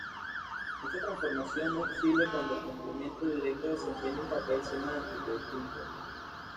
Esta transformación no es posible cuando el complemento directo desempeña un papel semántico distinto.